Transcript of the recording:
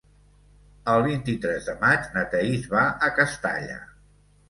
El vint-i-tres de maig na Thaís va a Castalla.